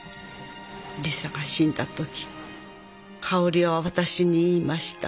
「リサが死んだとき香織は私に言いました」